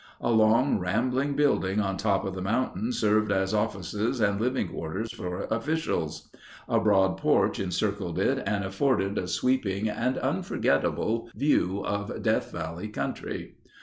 A long rambling building on top of the mountain served as offices and living quarters for officials. A broad porch encircled it and afforded a sweeping and unforgettable view of Death Valley country.